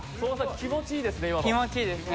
気持ちいいですね。